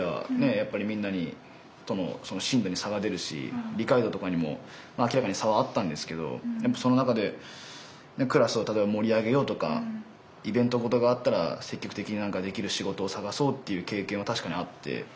やっぱりみんなに進路に差が出るし理解度とかにも明らかに差はあったんですけどその中でクラスを例えば盛り上げようとかイベント事があったら積極的に何かできる仕事を探そうっていう経験は確かにあって。